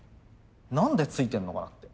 何でついてんのかなって。